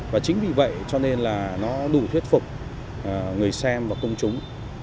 và chính vì vậy cho nên là nó đủ thuyết phục người xem và công chúng